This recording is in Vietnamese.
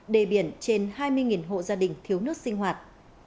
đề biển trên hai mươi hộ gia đình thiếu nước sinh hoạt